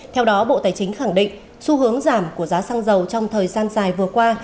theo đó bộ tài chính khẳng định xu hướng giảm của giá xăng dầu trong thời gian dài vừa qua